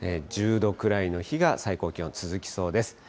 １０度くらいの日が最高気温、続きそうです。